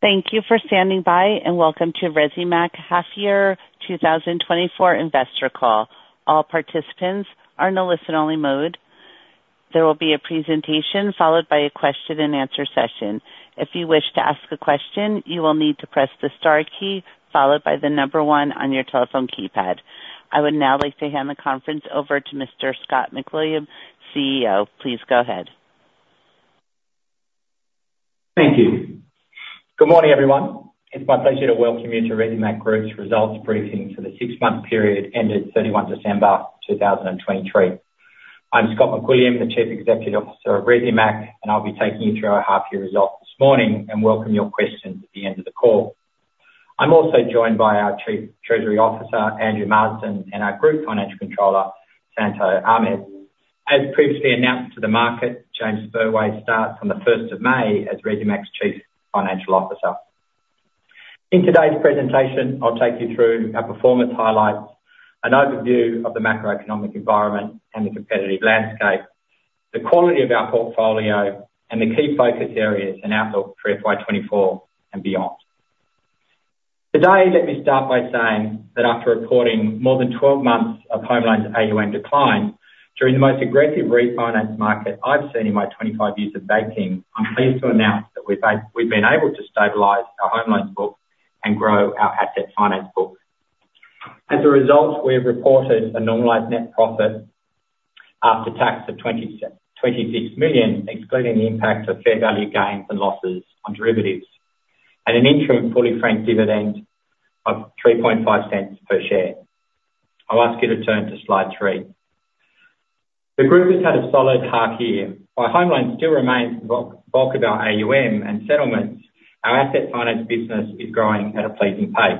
Thank you for standing by, and welcome to Resimac Half-Year 2024 Investor Call. All participants are in a listen-only mode. There will be a presentation followed by a question-and-answer session. If you wish to ask a question, you will need to press the star key followed by the number one on your telephone keypad. I would now like to hand the conference over to Mr. Scott McWilliam, CEO. Please go ahead. Thank you. Good morning, everyone. It's my pleasure to welcome you to Resimac Group's results briefing for the six-month period ended 31 December 2023. I'm Scott McWilliam, the Chief Executive Officer of Resimac, and I'll be taking you through our half-year results this morning and welcome your questions at the end of the call. I'm also joined by our Chief Treasury Officer, Andrew Marsden, and our Group Financial Controller, Santo Ahmed. As previously announced to the market, James Spurway starts on the 1st of May as Resimac's Chief Financial Officer. In today's presentation, I'll take you through our performance highlights, an overview of the macroeconomic environment and the competitive landscape, the quality of our portfolio, and the key focus areas and outlook for FY 2024 and beyond. Today, let me start by saying that after reporting more than 12 months of home loans' AUM decline during the most aggressive refinance market I've seen in my 25 years of banking, I'm pleased to announce that we've been able to stabilize our home loans book and grow our asset finance book. As a result, we have reported a normalized net profit after tax of 26 million, excluding the impact of fair value gains and losses on derivatives, and an interim fully franked dividend of 3.05 per share. I'll ask you to turn to Slide three. The group has had a solid half-year. While home loans still remain the bulk of our AUM and settlements, our asset finance business is growing at a pleasing pace.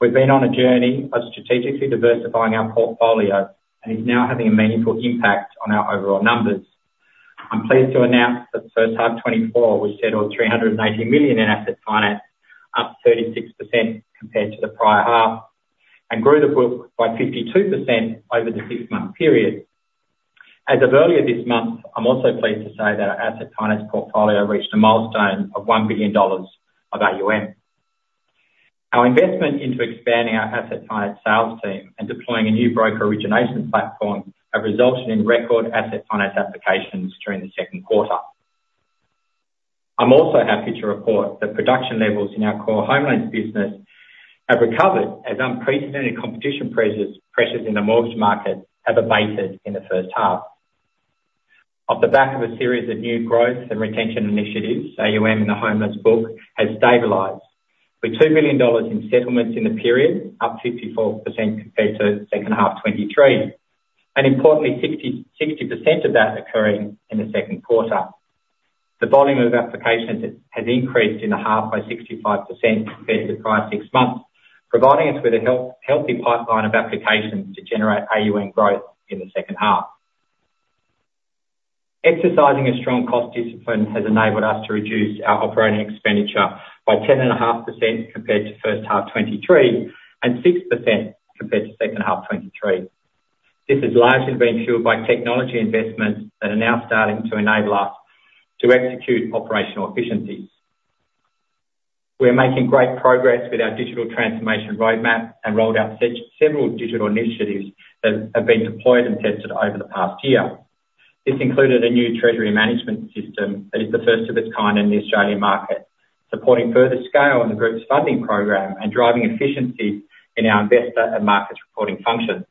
We've been on a journey of strategically diversifying our portfolio and is now having a meaningful impact on our overall numbers. I'm pleased to announce that the first half 2024 we settled 380 million in asset finance, up 36% compared to the prior half, and grew the book by 52% over the six-month period. As of earlier this month, I'm also pleased to say that our asset finance portfolio reached a milestone of 1 billion dollars of AUM. Our investment into expanding our asset finance sales team and deploying a new broker origination platform have resulted in record asset finance applications during the second quarter. I'm also happy to report that production levels in our core home loans business have recovered as unprecedented competition pressures in the mortgage market have abated in the first half. Off the back of a series of new growth and retention initiatives, AUM in the home loans book has stabilized with 2 billion dollars in settlements in the period, up 54% compared to second half 2023, and importantly, 60% of that occurring in the second quarter. The volume of applications has increased in the half by 65% compared to the prior six months, providing us with a healthy pipeline of applications to generate AUM growth in the second half. Exercising a strong cost discipline has enabled us to reduce our operating expenditure by 10.5% compared to first half 2023 and 6% compared to second half 2023. This has largely been fueled by technology investments that are now starting to enable us to execute operational efficiencies. We are making great progress with our digital transformation roadmap and rolled out several digital initiatives that have been deployed and tested over the past year. This included a new treasury management system that is the first of its kind in the Australian market, supporting further scale in the group's funding program and driving efficiencies in our investor and markets reporting functions.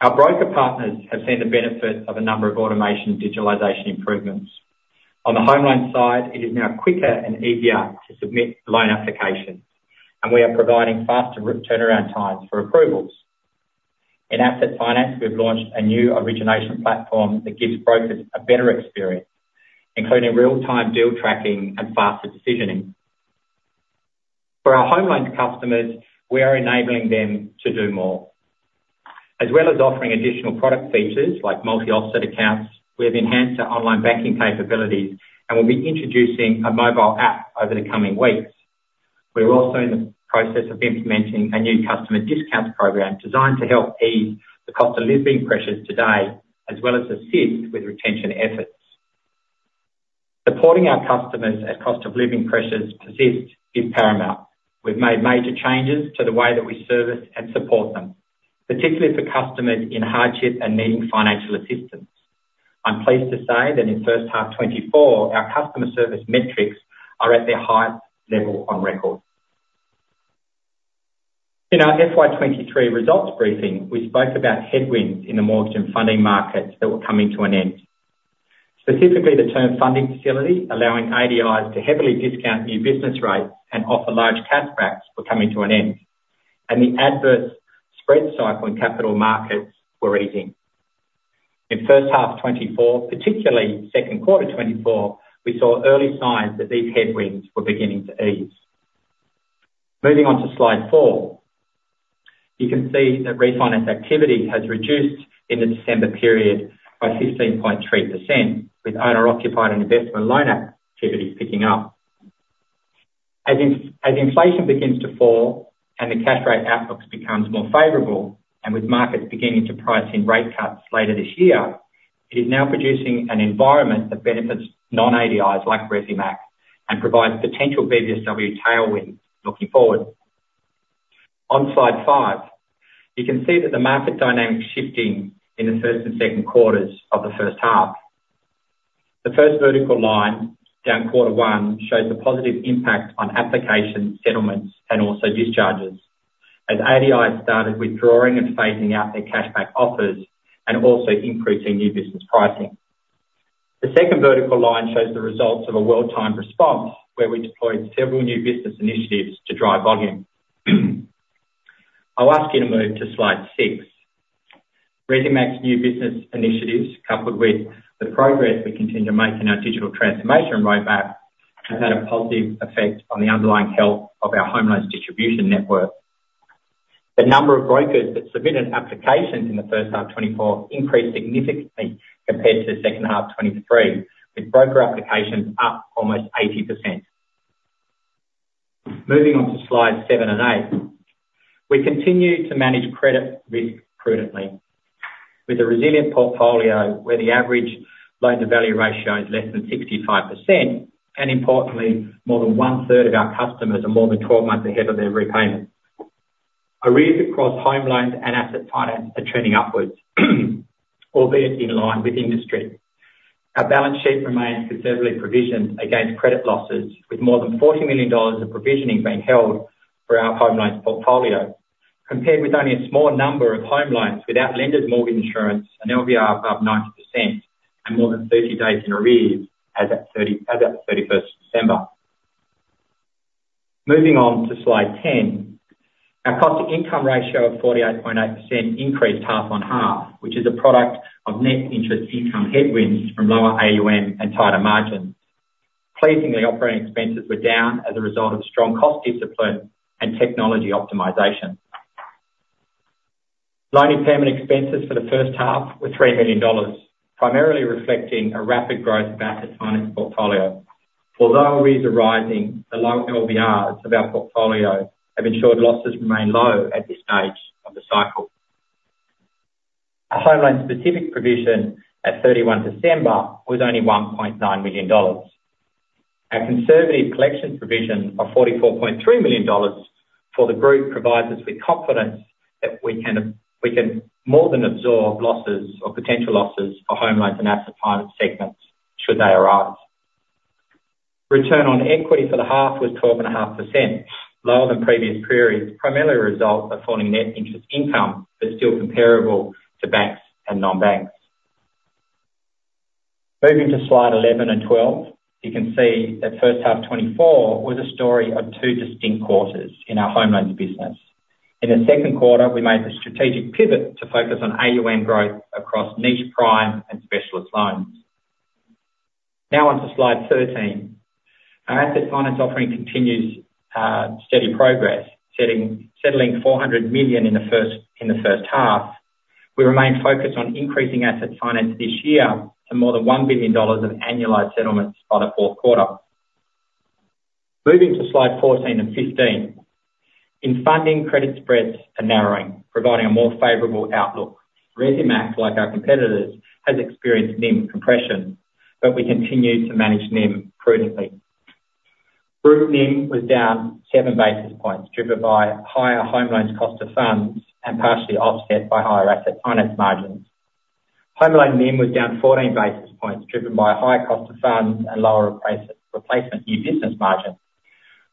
Our broker partners have seen the benefits of a number of automation and digitalization improvements. On the home loan side, it is now quicker and easier to submit loan applications, and we are providing faster turnaround times for approvals. In asset finance, we've launched a new origination platform that gives brokers a better experience, including real-time deal tracking and faster decisioning. For our home loans customers, we are enabling them to do more. As well as offering additional product features like multi-offset accounts, we have enhanced our online banking capabilities and will be introducing a mobile app over the coming weeks. We are also in the process of implementing a new customer discounts program designed to help ease the cost of living pressures today as well as assist with retention efforts. Supporting our customers as cost of living pressures persist is paramount. We've made major changes to the way that we service and support them, particularly for customers in hardship and needing financial assistance. I'm pleased to say that in first half 2024, our customer service metrics are at their highest level on record. In our FY 2023 results briefing, we spoke about headwinds in the mortgage and funding markets that were coming to an end. Specifically, the Term Funding Facility allowing ADIs to heavily discount new business rates and offer large cash backs were coming to an end, and the adverse spread cycle in capital markets were easing. In first half 2024, particularly second quarter 2024, we saw early signs that these headwinds were beginning to ease. Moving on to Slide four, you can see that refinance activity has reduced in the December period by 15.3%, with owner-occupied and investment loan activity picking up. As inflation begins to fall and the cash rate outlooks become more favorable, and with markets beginning to price in rate cuts later this year, it is now producing an environment that benefits non-ADIs like Resimac and provides potential BBSW tailwinds looking forward. On Slide five, you can see that the market dynamics shifting in the first and second quarters of the first half. The first vertical line down quarter one shows the positive impact on applications, settlements, and also discharges as ADIs started withdrawing and phasing out their cashback offers and also increasing new business pricing. The second vertical line shows the results of a well-timed response where we deployed several new business initiatives to drive volume. I'll ask you to move to Slide six. Resimac's new business initiatives, coupled with the progress we continue to make in our digital transformation roadmap, have had a positive effect on the underlying health of our home loans distribution network. The number of brokers that submitted applications in the first half 2024 increased significantly compared to second half 2023, with broker applications up almost 80%. Moving on to Slides seven and eight, we continue to manage credit risk prudently. With a resilient portfolio where the average loan-to-value ratio is less than 65% and, importantly, more than one-third of our customers are more than 12 months ahead of their repayments, arrears across home loans and asset finance are trending upwards, albeit in line with industry. Our balance sheet remains conservatively provisioned against credit losses, with more than 40 million dollars of provisioning being held for our home loans portfolio compared with only a small number of home loans without lenders' mortgage insurance and LVR above 90% and more than 30 days in arrears as of 31st December. Moving on to Slide 10, our cost-to-income ratio of 48.8% increased half-on-half, which is a product of net interest income headwinds from lower AUM and tighter margins. Pleasingly, operating expenses were down as a result of strong cost discipline and technology optimization. Loan impairment expenses for the first half were 3 million dollars, primarily reflecting a rapid growth of asset finance portfolio. Although arrears are rising, the low LVRs of our portfolio have ensured losses remain low at this stage of the cycle. Our home loan-specific provision at 31 December was only 1.9 million dollars. Our conservative collections provision of 44.3 million dollars for the group provides us with confidence that we can more than absorb losses or potential losses for home loans and asset finance segments should they arise. Return on equity for the half was 12.5%, lower than previous periods, primarily a result of falling net interest income but still comparable to banks and non-banks. Moving to Slide 11 and 12, you can see that first half 2024 was a story of two distinct quarters in our home loans business. In the second quarter, we made the strategic pivot to focus on AUM growth across niche prime and specialist loans. Now onto Slide 13, our asset finance offering continues steady progress, settling 400 million in the first half. We remain focused on increasing asset finance this year to more than 1 billion dollars of annualized settlements by the fourth quarter. Moving to Slide 14 and 15, in funding, credit spreads are narrowing, providing a more favorable outlook. Resimac, like our competitors, has experienced NIM compression, but we continue to manage NIM prudently. Group NIM was down 7 basis points, driven by higher home loans cost of funds and partially offset by higher asset finance margins. Home loan NIM was down 14 basis points, driven by higher cost of funds and lower replacement new business margins,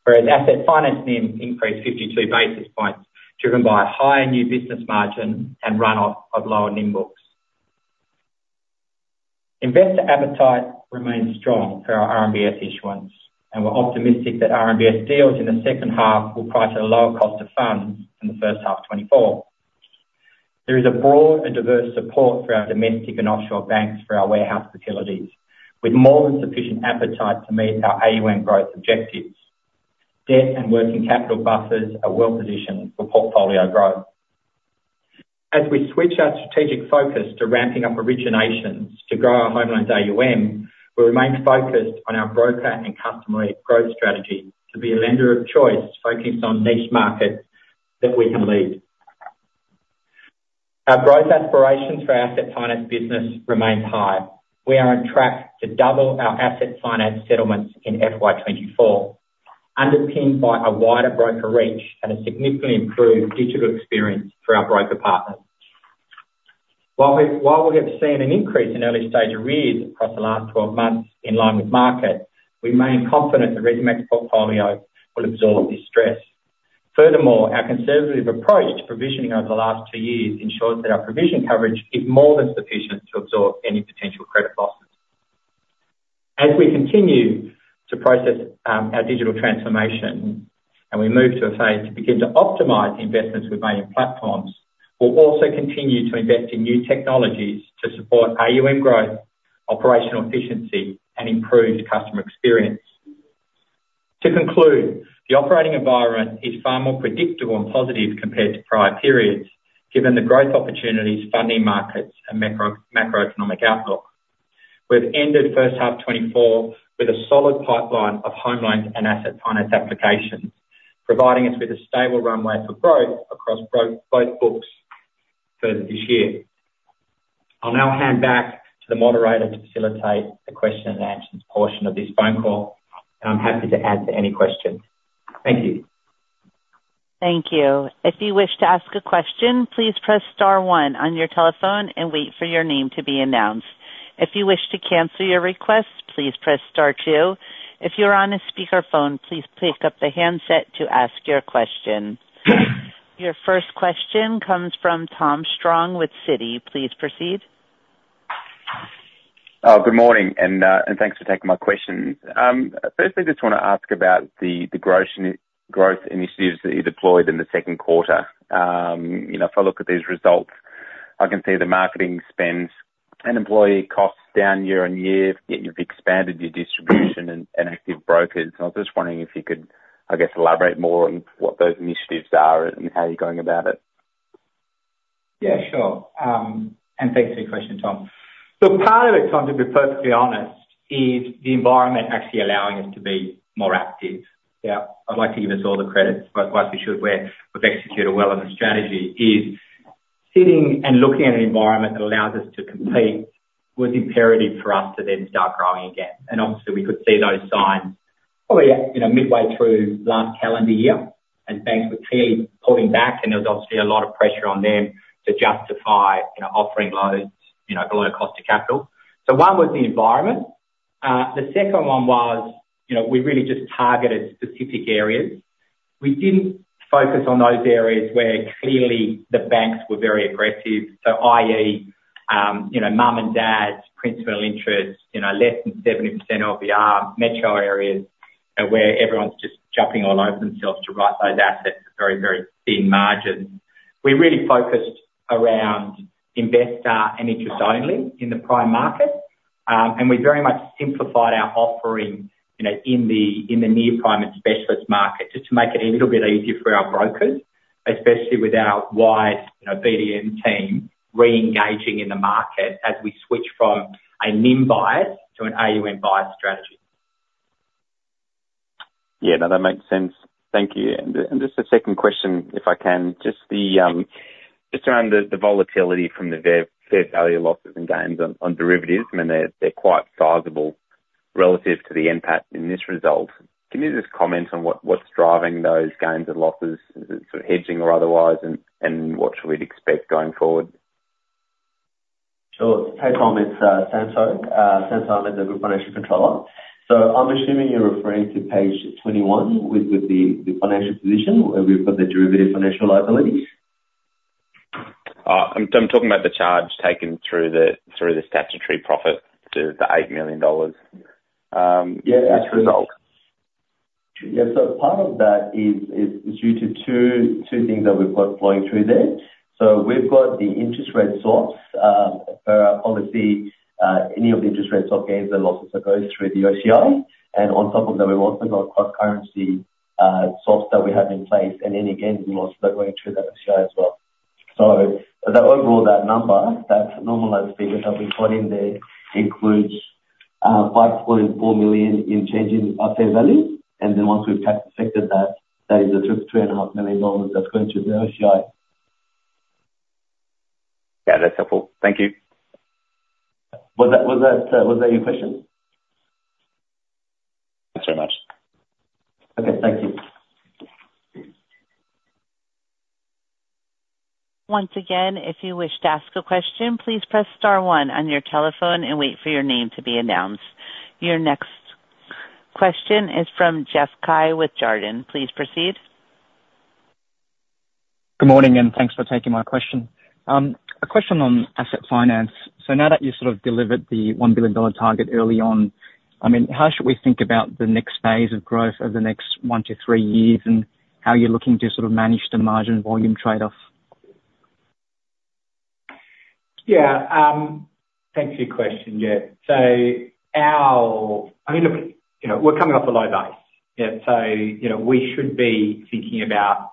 whereas asset finance NIM increased 52 basis points, driven by higher new business margins and runoff of lower NIM books. Investor appetite remains strong for our RMBS issuance, and we're optimistic that RMBS deals in the second half will price at a lower cost of funds than the first half 2024. There is a broad and diverse support for our domestic and offshore banks for our warehouse facilities, with more than sufficient appetite to meet our AUM growth objectives. Debt and working capital buffers are well-positioned for portfolio growth. As we switch our strategic focus to ramping up originations to grow our home loans AUM, we remain focused on our broker and customer growth strategy to be a lender of choice focusing on niche markets that we can lead. Our growth aspirations for our asset finance business remain high. We are on track to double our asset finance settlements in FY 2024, underpinned by a wider broker reach and a significantly improved digital experience for our broker partners. While we have seen an increase in early-stage arrears across the last 12 months in line with market, we remain confident that Resimac's portfolio will absorb this stress. Furthermore, our conservative approach to provisioning over the last two years ensures that our provision coverage is more than sufficient to absorb any potential credit losses. As we continue to process our digital transformation and we move to a phase to begin to optimize the investments we've made in platforms, we'll also continue to invest in new technologies to support AUM growth, operational efficiency, and improved customer experience. To conclude, the operating environment is far more predictable and positive compared to prior periods, given the growth opportunities, funding markets, and macroeconomic outlook. We've ended first half 2024 with a solid pipeline of home loans and asset finance applications, providing us with a stable runway for growth across both books further this year. I'll now hand back to the moderator to facilitate the question and answers portion of this phone call, and I'm happy to add to any questions. Thank you. Thank you. If you wish to ask a question, please press star one on your telephone and wait for your name to be announced. If you wish to cancel your request, please press star two. If you're on a speakerphone, please pick up the handset to ask your question. Your first question comes from Tom Strong with Citi. Please proceed. Good morning and thanks for taking my question. Firstly, I just want to ask about the growth initiatives that you deployed in the second quarter. If I look at these results, I can see the marketing spends and employee costs down year-over-year, yet you've expanded your distribution and active brokers. I was just wondering if you could, I guess, elaborate more on what those initiatives are and how you're going about it. Yeah, sure. Thanks for your question, Tom. So part of it, Tom, to be perfectly honest, is the environment actually allowing us to be more active. Yeah? I'd like to give us all the credit, whilst we should, where we've executed well on the strategy, is sitting and looking at an environment that allows us to compete was imperative for us to then start growing again. And obviously, we could see those signs probably midway through last calendar year, and banks were clearly pulling back, and there was obviously a lot of pressure on them to justify offering lower cost of capital. So one was the environment. The second one was we really just targeted specific areas. We didn't focus on those areas where clearly the banks were very aggressive, i.e., mum and dads, principal interest, less than 70% LVR, metro areas where everyone's just jumping all over themselves to write those assets at very, very thin margins. We really focused around investor and interest only in the prime market, and we very much simplified our offering in the near prime and specialist market just to make it a little bit easier for our brokers, especially with our wide BDM team re-engaging in the market as we switch from a NIM bias to an AUM bias strategy. Yeah. No, that makes sense. Thank you. And just a second question, if I can, just around the volatility from the fair value losses and gains on derivatives. I mean, they're quite sizable relative to the impact in this result. Can you just comment on what's driving those gains and losses? Is it sort of hedging or otherwise, and what should we expect going forward? Sure. Hey, Tom. It's Santo Ahmed. Santo Ahmed, I'm the Group Financial Controller. So I'm assuming you're referring to Page 21 with the financial position where we've got the derivative financial liabilities? I'm talking about the charge taken through the statutory profit to the 8 million dollars result. Yeah. Absolutely. Yeah. So part of that is due to two things that we've got flowing through there. So we've got the interest rate swaps per our policy. Any of the interest rate swap gains and losses that go through the OCI, and on top of that, we've also got cross-currency swaps that we have in place, and any gains and losses that go through that OCI as well. So overall, that number, that normalised figure that we've got in there includes 5.4 million in changing our fair value, and then once we've tax-effected that, that is the 3 million-3.5 million dollars that's going through the OCI. Yeah. That's helpful. Thank you. Was that your question? Thanks very much. Okay. Thank you. Once again, if you wish to ask a question, please press star 1 on your telephone and wait for your name to be announced. Your next question is from Jeff Cai with Jarden. Please proceed. Good morning and thanks for taking my question. A question on asset finance. So now that you sort of delivered the 1 billion dollar target early on, I mean, how should we think about the next phase of growth over the next one to three years and how you're looking to sort of manage the margin volume trade-off? Yeah. Thanks for your question, Jeff. So I mean, look, we're coming off a low base. So we should be thinking about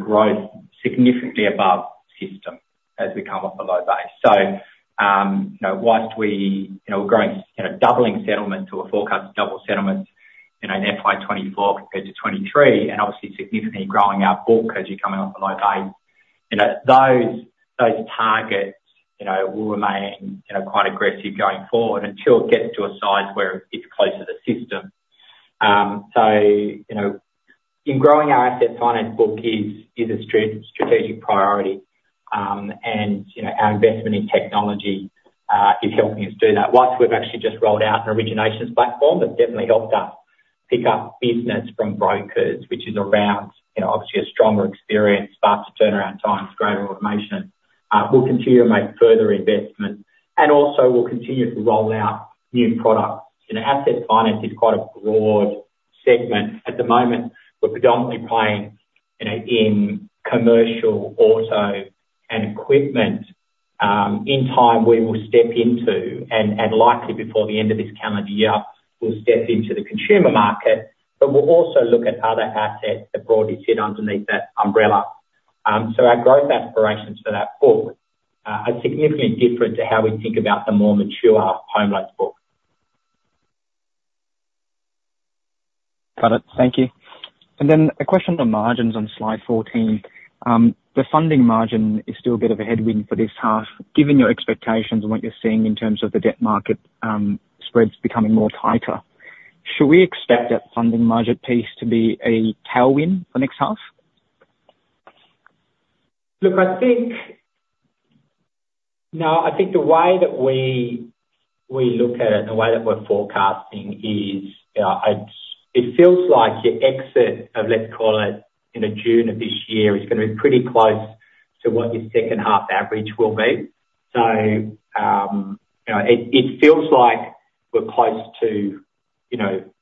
growth significantly above system as we come off a low base. So whilst we're doubling settlements or forecast double settlements in FY 2024 compared to 2023 and obviously significantly growing our book as you're coming off a low base, those targets will remain quite aggressive going forward until it gets to a size where it's closer to system. So in growing our asset finance book is a strategic priority, and our investment in technology is helping us do that. Whilst we've actually just rolled out an originations platform that's definitely helped us pick up business from brokers, which is around obviously a stronger experience, faster turnaround times, greater automation, we'll continue to make further investment, and also we'll continue to roll out new products. Asset finance is quite a broad segment. At the moment, we're predominantly playing in commercial auto and equipment. In time, we will step into, and likely before the end of this calendar year, we'll step into the consumer market, but we'll also look at other assets that broadly sit underneath that umbrella. So our growth aspirations for that book are significantly different to how we think about the more mature home loans book. Got it. Thank you. And then a question on margins on Slide 14. The funding margin is still a bit of a headwind for this half, given your expectations and what you're seeing in terms of the debt market spreads becoming more tighter. Should we expect that funding margin piece to be a tailwind for next half? Look, I think no. I think the way that we look at it and the way that we're forecasting is it feels like your exit of, let's call it, June of this year is going to be pretty close to what your second half average will be. So it feels like we're close to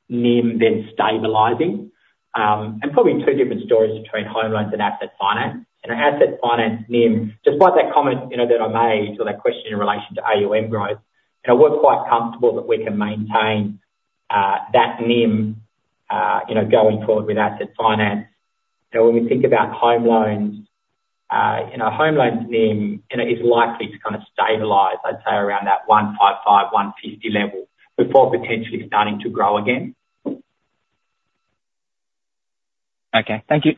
NIM then stabilizing, and probably two different stories between home loans and asset finance. Asset finance NIM, despite that comment that I made or that question in relation to AUM growth, we're quite comfortable that we can maintain that NIM going forward with asset finance. When we think about home loans, home loans NIM is likely to kind of stabilize, I'd say, around that 155, 150 level before potentially starting to grow again. Okay. Thank you.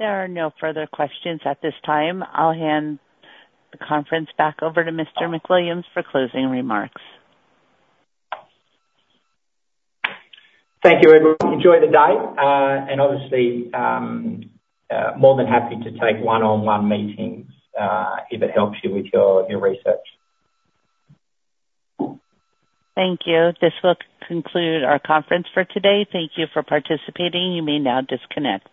There are no further questions at this time. I'll hand the conference back over to Mr. McWilliam for closing remarks. Thank you, everyone. Enjoy the day, and obviously, more than happy to take one-on-one meetings if it helps you with your research. Thank you. This will conclude our conference for today. Thank you for participating. You may now disconnect.